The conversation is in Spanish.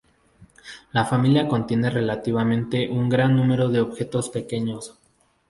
La familia contiene relativamente un gran número de objetos pequeños.